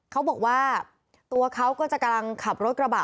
เขาบอกว่าตัวเขาก็จะกำลังขับรถกระบะ